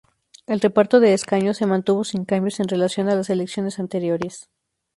El reparto de escaños se mantuvo sin cambios en relación a las elecciones anteriores.